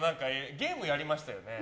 ゲームやりましたよね